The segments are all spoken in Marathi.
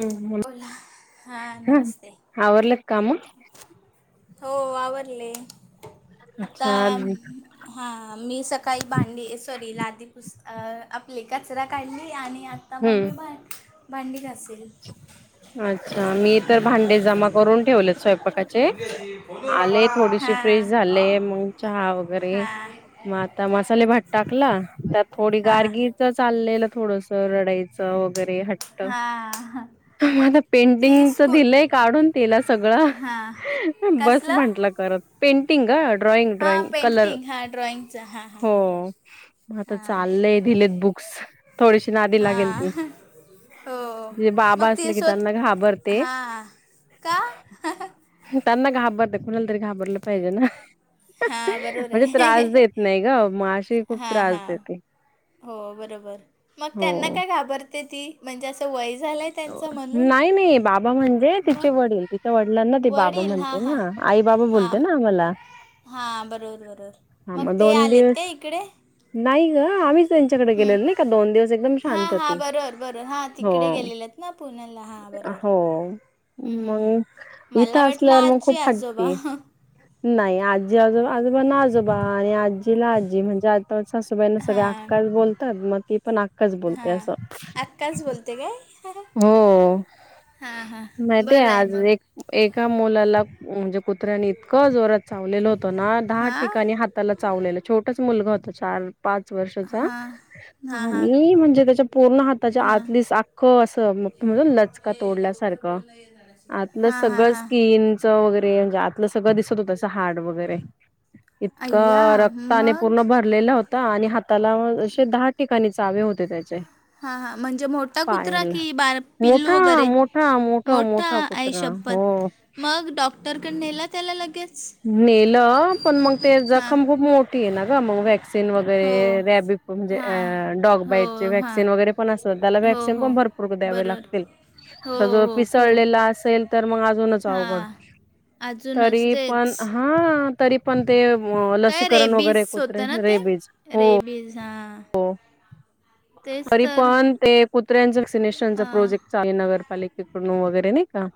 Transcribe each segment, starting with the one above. हम्म बोला हां नमस्ते. आवरलका काम. हो आवरले अच्छा आता. हम्म हा मी सकाळी भांडी सॉरी लादी पुसत आपली कचरा काढली आणि. आणि आता मम्मी भ भांडी घास. अच्छा मी तर काय भांडे करते जमा मी? करून ठेवलेत स्वयंपाकाचे. दमली अशी फोनवर आ आले बाळा थोडीशी फ्रेश हां हा झाले मग चहा वगैरे. हां मग आता मसाले भात टाकला त्यात थोडी हां गारगी. चाललेलं थोडस रडायचं वगैरे ह. हां हा. मला पेंडिंगच दिलंय काढून तिला सगळं. हां बस कसलं म्हटलं करत. पेंटिंग का ड्रॉइंग हां ड्रॉइंग कलर पेंटिंग हां ड्रॉइंगचं हां हां बरोबर हो. मग आता हां चाललेय दिलेत बुक्स थोडीशी नादी लागेल ती. हां हो जे बाबा मग ती असले की स्वत त्यांना घाबरते. हा का त्यांना घाबरते कुणाला तरी घाबरलं पाहिजे ना. हा बरोबर म्हणजे आहे त्रास देत नाही ग मशी खूप हा त्रास हा देते. हो बरोबर मग त्यांना हो काय घाबरते ती म्हणजे असं वय झालंय त्यांच. नाही नाही बाबा म्हणजे तिचे वडील तिच्या वडिलांना ती बाबा वडील हां म्हणते हां ना आई बाबा हां बोलते. ना आम्हाला. हां बरोबर बरोबर हा मग ते दोन आलेत का दिवस इकडे. नाही ग आम्हीच त्यांच्याकडे हं. गेलेल नाही का दोन दिवस एकदम शांत हां होती हां बरोबर बरोबर हां हो. तिकडे गेलेले आहेत ना पुण्याला हां बरोबर. हो हम् हम् हम् मग मला इथं वाटलं असल्यावर मग आजी खूप आजोबा. हट्टी नाही आजी आजोबा आजोबा ना आजोबा आणि आजीला आजी म्हणजे आज. सुबाईना सगळे हां आक्काच बोलतात मग ती पण आक्काच बोलते असं. काच बोलते काय. हो हां हां नाही ते बरं आहे आज मग एक. एका मुलाला म्हणजे कुत्र्यानी इतकं जोरात चावलेलं होत ना दहा हां ठिकाणी हात. त्याला चावलेलं छोटंच मुलगा होत चार. पाच वर्षाचा हां हां हां आणि म्हणजे त्याच्या पूर्ण हाताच्या हां आतलीच अख्ख. तुम लचका. आतलं हां हां सगळं हां स्किनचं वगैरे म्हणजे आतलं सगळं दिसत होतंस हाड वगैरे. अय्या इतकं रक्ताने मग पूर्ण. भरलेला होता आणि हाताला म असे दहा ठिकाणी चावे होते त्याचे, हां हां म्हणजे मोठा कुत्रा पायाला की बार, पिल्लू मोठा वगैरे मोठा मोठा आई कुत्रा शप्पथ हो मग! मग डॉक्टरकड नेल त्याला लगेच, नेलं पण मग ते हां जखम खूप मोठी आहे ना ग मग वॅक्स, सीन वगैरे हो रॅब म्हनजे अ हां डॉग हो बाईटचे हां व्हॅक्सिन वगैर पण असत त्याला हो वॅक्सिन हो पण भर. रोग द्यावे बरोबर लागतील हो तर जो हो खूप पिसळलेला असेल तर मग अजूनच अवघड. अजून तरी असतय, पण हा तरी पण ते काय लसीकरण रेबीज वगैरेत कुत्रे होतं ना ते रेबीज हो हो, रेबीज हां हो तेच तरी तर पण ते कुत्र्यांचा सिनेशन हां प्रोजेक्ट! चाली नगरपालिकेकडून वगैरे नाही का?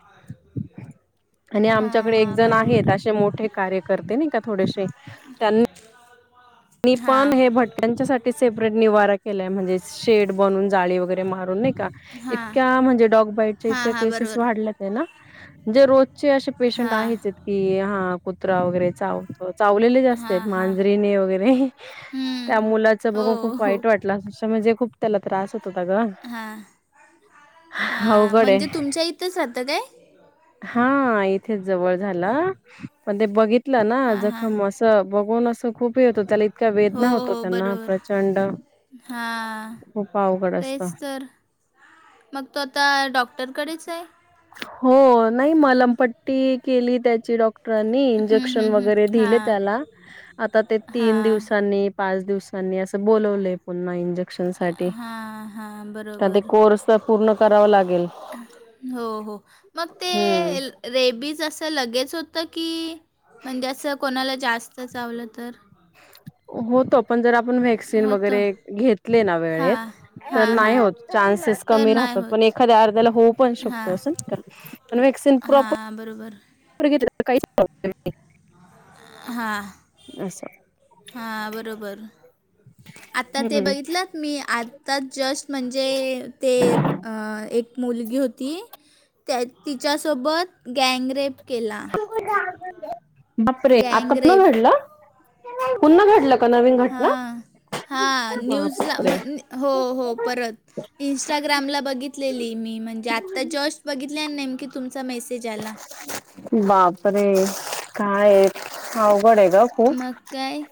आणि हां आमच्याकडे हां एक जण बरोबर आहेत असे मोठे कार्यकर्ते नाही का थोडेसे त्यांना? त्यांनी हां पण हे भटक्यांच्यासाठी सेपरेट निवारा, केलाय म्हणजे शेड बनवुन जाळी वगैरे मारून नाही का? हां इतक्या म्हणजे डॉग बाईटच्या हां इतक्या हां केसेस बरोबर वाढल्यात आहे ना, म्हणजे रोजचे असे पेशंट हां आहेतच की हा कुत्रा वगैरे चाव, चावलेले जास्त हां आहेत, हां मांजरीने वगैरे त्या हम्म. मुलाच हो बघून खूप हो वाईट वाटत. म्हटलं अक्षरशः त्याला खुप त्रास होत, होता ग हां हां अवघड आहे. म्हणजे तुमच्या इथंच राहतं काय हा इथेच जवळ झालं पण ते बघितल, बघितल ना हां हां जखम अस बघून खूप! येत होत्या लय त्याला इतका वेदना होतो त्यांना प्रचंड! हा खूप अवघड तेच असतं. तर, मग तो आता डॉक्टरकडेच आहे? हो नाही मलमपट्टी केली त्याची डॉक्टर, डॉक्टरांनी हं, इंजेक्शन हं, हं. वगैरे दिले हां त्याला आता ते तीन दिवसा, तीन हां दिवसांनी, पाच दिवसांनी अस बोलवलय पुन्हा त्याला इंजेक्शनस. साठी हां हां ते आता बरोबर कोर्स पूर्ण करावा लागेल. हो हो मग ते, हं. रेबीज असं लगेच होतं की, म्हणजे असं कोणाला जास्त चावलं तर? होतो पण जर आपण वे, वॅक्सीन वगैरे होतं. घेतले ना वेळेत हां. तर हां, नाही हां. होत चान्सेस तर कमी नाही राहतात पण एक. होत. एखाद्या अर्ध्याला होऊ पण शकतो हां. असं का पण वॅक्सिन प्रॉपर, हा बरोबर, घेतले तर काहीच प्रॉब्लेम नाही. हा असं हा बरोबर, आता ते हम्म बघितलंत मी आत, त्यात जस्ट म्हणजे ते एक मुलगी होती. त्यात तिच्यासोबत गँगरेप केला. बापरे आता पुन्हा गँगरेप. घडलं पुन्हा घडलं. का नवीन घटना हा हा न्यूजला बापरे म्हण हो हो परत, इंस्टाग्रामला बघितलेली मी म्हणजे आत्ता जस्ट बघितले नेमकी तुमचा मेसेज आला. बापरे काय हे अवघड आहे ग, खुप मग काय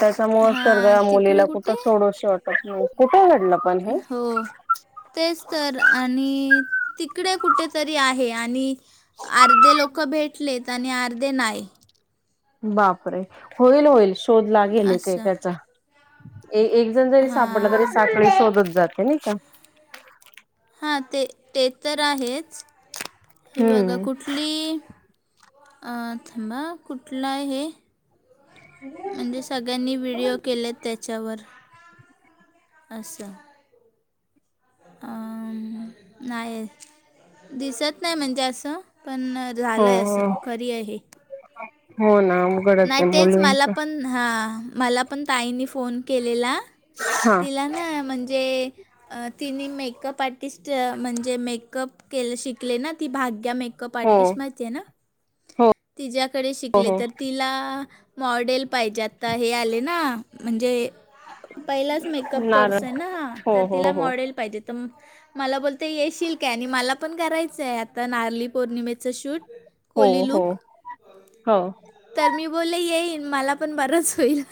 त्याच्यामुळे हां, सगळ्या मुलीला तिकडे कुठं कुठे? सोडू शकत! [unintelligible] कुठे घडल? हो तेच तर आणि तिकडे कुठेतरी आहे आणि अर्धे लोक भेटलेत आणि अर्धे नाहीत. बापरे होईल होईल शोध लागेल एक असं. एकाचा. एक जण जरी सापडला तरी हां, साखळी शोधत जाते नाही का? हां ते ते तर आहेच हे बघा कुठ हम्म कुठली थांबा कुठला आहे हे? म्हणजे सगळ्यांनी व्हिडिओ केलेत त्याच्यावर. अस. [inaudible] नाही दिसत नाही म्हणजे अस पण हो झालं आहे असं हो खरी आहे होना अघडच आहे मुलींच. हा मला पण ताईनी फोन केलेला. हा [unintelligible] ना म्हणजे तिने मेकअप आर्टिस्ट म्हणजे मेकअप केल शिकले ना ती भाग्या मेक मेकअप हो आर्टिस्ट माहिती ना हो तिजाकडे हो शिकले हो तर तिला मॉडेल पाहिजे आत्ता हे आले ना, म्हणजे पहिलाच मेकअप नारळ कोर्स आहे ना हा हो तर हो तिला हो मॉडेल पाहिजे तर मला बोलते येशील काय आणि मला पण करायचय आता नारली पौर्णिमेच शूट. हो कोली हो लूक. हो तर मी बोलले येईन मला पण बरच होईल.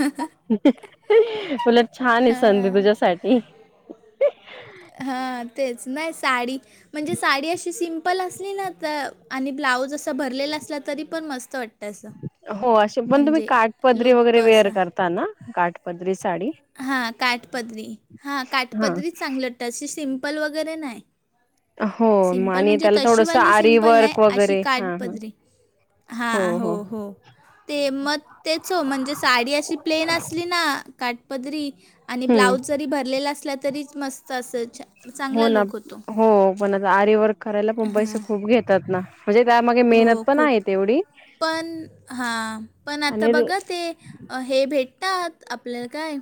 उलट छान आहे संधी हां तुझ्यासाठी‌ हां तेच नाही साडी. म्हणजे साडी अशी सिंपल असली ना तर आणि ब्लाऊज असा भरलेला असला तरी पण मस्त वाटत. हो अशे पण तुम्ही काठपदरी लूक तो वगैरे वेअर असा करता ना काठपदरी साडी. हां काठपदरी हा हा काठपदरी चांगली वाटते अशी सिम्पल वगैरे नाही. हो मग सिम्पल आणि म्हणजे त्याला थोडस तशीवाली आरी सिंपल नाही वर्क अशी वगैरे काठ हा हा पदरी. हां हो हो ते मग तेच हो म्हणजे साडी अशी प्लेन असली ना काटपदरी‌ आणि हम्म ब्लाऊज जरी भरलेला असला तरीच मस्त अस [unintelligible] हो ना हो पण आता आर वर्क करायला पण पैसे हां, खूप घेतात ना. म्हणजे त्यामाग मेहनत हो पण खूप. आहे तेवढी पण हां पण आता आणि बघा ते हे भेटतात आपल्याला काय.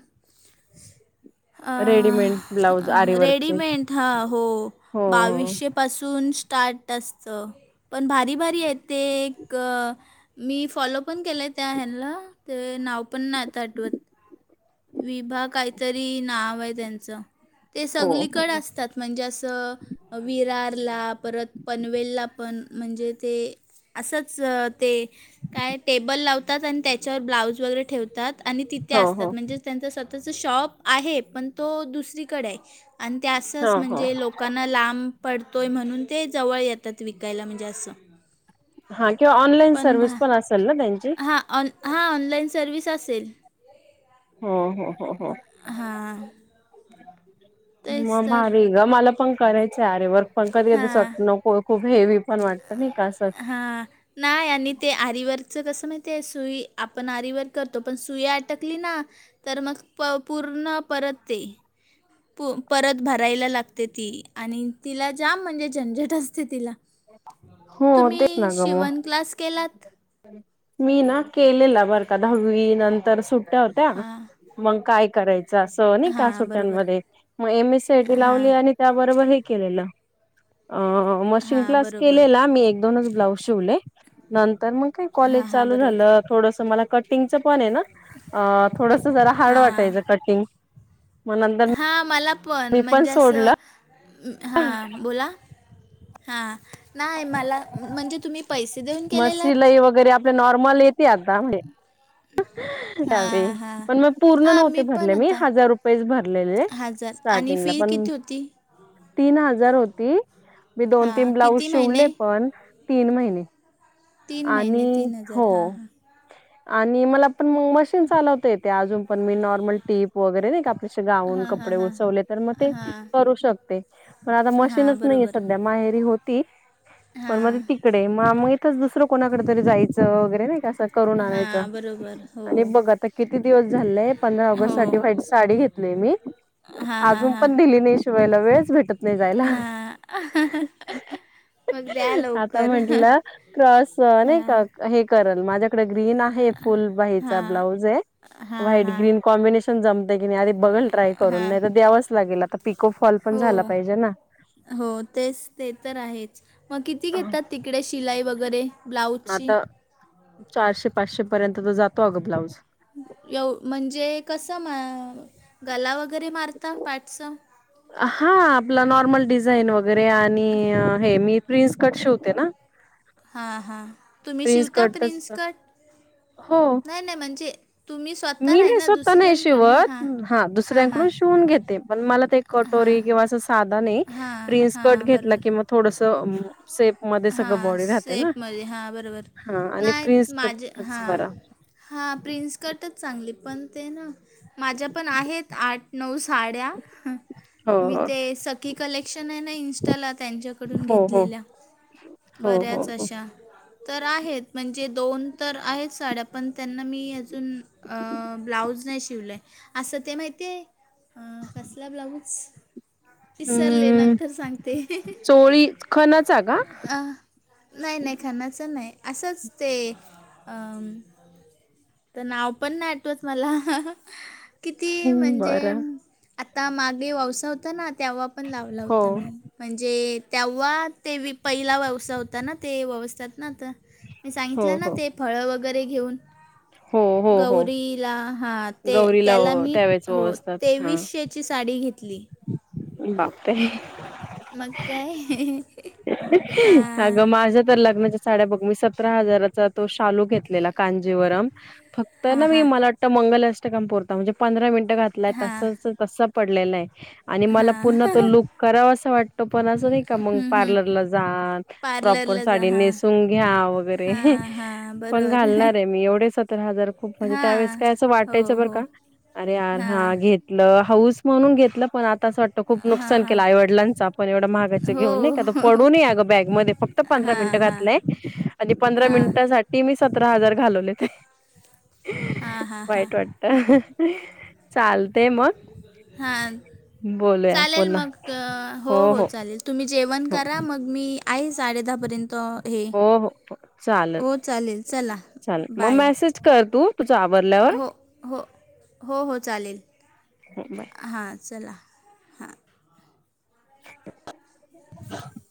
रेडीमेड ब्लाऊज आरीवर्कचे रेडीमेंट हा हो हो बावीशे‌. पासून स्टार्ट असत. पण भारी भारी आहेत ते एक. मी फॉलो पण केलय त्या ह्यांना ते नाव पण नाही आता आठवत. विभा काहीतरी नाव आहे त्यांच ते हो. हो सगलीकडे हो. असतात. म्हणजे अस विरारला परत पनवेलला पण म्हणजे ते. असच ते काय टेबल लावतात आणि त्याच्यावर ब्लाऊज वगैरे ठेवतात. आणि तिथे हो असतात हो म्हणजे त्यांचा स्वतःच शॉप आहे पण तो दुसरीकडे आहे. आणि ते असच हो हो म्हणजे लोक लोकांना लांब पडतोय म्हणून ते जवळ येतात विकायला म्हणजे असं हां किंवा ऑनलाईन सर्व्हिस पण असेल ना त्यांची? हां ऑन हां ऑनलाईन सर्विस असेल. हम्म हम्म हम्म हम्म. हा मग भारी ग मला पण करायचंय अरे वर्क. पण कधी कधीस हां वाट नको खूप हेवी पण वाटत नाही का असं. हां. नाही आणि ते आरीवरचं कसं माहित आहे, सुई आपण आरीवर करतो पण सुई अटकली ना तर मग प पूर्ण परत ते पु परत भरायला लागते ती आणि तिला जाम म्हणजे झंझट असते तिला हो तेच तुम्ही ना ग मग शिवण क्लास केलात? मी ना केलेला बरं का दहावी नंतर सुट्टया हो त्या, हां. मग काय करायचं असं नाही का हां, बरोबर. सुट्यांमध्ये मग M S C I T लावली हां. आणि त्याबरोबर हे केलेलं, अह मशिन हां, क्लास बरोबर. केलेला मी एक दोनच ब्लाउज शिवले नंतर मग काय कॉलेज हां, हां, चालू बरोबर. झालं, थोडस मला कटींगच पण आहे ना अह थोडस जरा हार्ड हां. वाटायचं कटिंग म नंतर हां मला पण मी म्हणजे असं, सोडलं. हां बोला हा नाय मला, म्हणजे तुम्ही पैसे देऊन ते केलेलात वगैरे आप लं नॉर्मल येेते आता म्हणे [unintelligible] त्यावेळी हां पण मग पूर्ण हां नव्हते पण भरले मी आता हजार रुपयेच भरलेले हजार आणि स्टार्टिंगला फी पण किती होती तीन हजार होती, मी दोन- तीन हां ब्लाऊज किती महिने शिवले पण तीन महिने तीन महिने आणि तीन हजार हो हां हां आणि मला पण मग मशीन चालवता येते अजून पण मी नॉर्मल टीप वगैरे नाही का आप ले असे गाऊन हां हां कपडे हां उसवले तर म ते हां करू शक ते, पण आता हां मशीनच नाहीये बरोबर सध्या माहेरी होती पण म हां ते तिकडे म म इथच दुसरं कोणाकडे तरी जायचं त वगैरे नाही का करून आणायच हां बरोबर हो आणि बघ आता किती दिवस झालेत पंधरा ऑगस्ट हो साठी व्हाईट साडी घेतलेली, हां हां अजून हां पण दिली नाही शिवायला वेळच भेटत नाही जायला हां मग द्या आता लवकर म्हटलं क्रॉस नाही हां का हे करल माझ्या इकड ग्रीन आहे फुल बाहीचा हां ब्लाउज आहे हां व्हाईट- हां ग्रीन कॉम्बिनेशन जमतय की नाही आधी बघल ट्राय करून हां नाही, तर द्यावंच लागेल आता पिको फॉल पण झाला हो पाहिजे ना हो तेच ते तर आहेत. मग किती घेतात तिकडे शिलाई वगैरे ब्लाऊजची? आता चारशे -पाचशे पर्यंत तर जातो अगं ब्लाऊज. एव म्हणजे कसं मा गला वगैरे मारता पाठचं? हा आपला नॉर्मल डिझाईन वगैरे आणि हे मी प्रिन्स कट शिवते ना हां हां, तुम्ही प्रिन्स शिवता कटच प्रिन्स कट हो नाय नाय म्हणजे तुम्ही स्वत मी नाही स्वतः नाही शिवत, हा हां हां. दुसऱ्यांकडून शिवून घेते पण मला ते हां. कटोरी किंवा असं साधा नाही, हां प्रिन्स कट हां घेतला बरोबर. कि म थोडस सेप मध्ये सगळ हां बॉडी राहते ना सेपमध्ये हां बरोबर हा आणि प्रिन्स कटच बरा हा प्रिंस कटच चांगली पण ते ना माझ्या पण आहेत आठ नऊ साड्या हो मी हो ते सखी कलेक्शन ना इंस्टाला त्यांच्या हो हो हो हो बऱ्याच हो अशा तर आहेत म्हणजे दोन तर आहेत साड्या पण त्यांना मी अजून अहह ब्लाऊज नाही शिवलाय असं ते माहिती आहे. हा कसला ब्लाऊज विसरले अम् नंतर सांगते. चोळी खणाचा का अह नाही नाही खणाचं नाही असंच ते अह त नाव पण नाय मला आठवत मला किती हम्म म्हणजे बरं. आता मागे ववसा होता ना तेव्हा पण लावला हो होता मी म्हणजे तेव्हा ते वि पहिला ववसा होता ना ते ववसतात ना आता मी हो सांगितलं ना हो ते फळ वगैरे घेऊन हो हो हो गौरीला हा ते गौरीला त्याला मी त्यावेेळेस हो ओवाळतात हा. तेवीसशेची साडी घेतली. बापरे मग काय. अगं हां माझं तर लग्नाच. साड्या बघ मी सतरा हजाराचा तो शालू घेतलेला कांजीवरम फक्त हां ना मी हां मला. त मंगलष्टकान पुरता म्हणजे पंधरा मिनिट घातला तसाच तसा. पडल्याला आहे आणि मला हां पुन्हा हां तो लुक करावा असं वाटतो पण असं नाही का मग. हम्म हम्म पार्लरला जा प्रॉपर पार्लरला जा साडी हा नेसून घ्या वगैरे. हा हा पण बरोबर घालणार आहे मी एवढे सतरा हजार. खूप म्हणजे हा त्यावेेळेस काय असं हो वाटायचं बरं हो का अरेर हा घेत. ल हाऊस म्हणून घेतलं पण आता असं वाटतं खूप हा नुकसान हा केलं आईवडलांच आपण येवढं महागाचं हो घेऊन नाही. पडून आहे अग बॅग मध्ये फक्त पंधरा हा मिनिट हा हा घातलय न पंधरा हा मिनिटं. साठी मी सतरा हजार घालवलेत हा हा वाईट वाट. चालतय मग. हा बोलूया चालेल पुन्हा मग हो हो चालेल. तुम्ही जेवण हो करा मग मी. आही साडे दहा पर्यंत हे हो हो हो चालेल हो चालेल चला. मग बाय मेसेज कर तू तुझ आवरल्यावर. हो हो हो हो चालेल. हम बाय. हां चला. हां [inaudible]